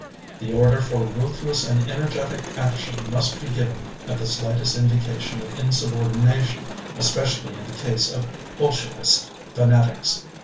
. The order for ruthless and energetic action must be given at the slightest indication of insubordination, especially in the case of Bolshevist fanatics.